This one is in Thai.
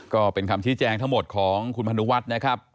ก็เป็นคำชี้แจงทั้งหมดของคุณพนุวัฒน์นะครับ